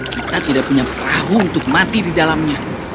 kita tidak punya perahu untuk mati di dalamnya